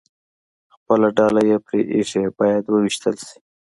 خپله ډله یې پرې ایښې، باید ووېشتل شي.